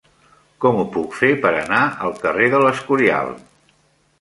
Com ho puc fer per anar al carrer de l'Escorial?